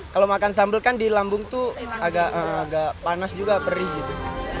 kalau makan sambal kan di lambung tuh agak panas juga perih gitu